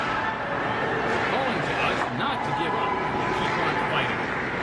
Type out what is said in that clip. They're calling to us not to give up and to keep on fighting!